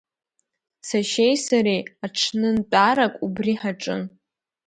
Сашьеи сареи аҽнынтәарак убри ҳаҿын.